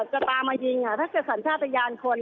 จะตามมายิงถ้าเกิดสัญชาติยานคน